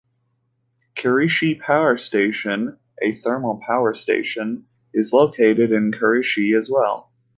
Kirishi Power Station, a thermal power station, is located in Kirishi as well.